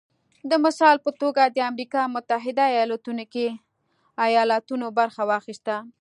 د مثال په توګه د امریکا متحده ایالتونو کې ایالتونو برخه واخیسته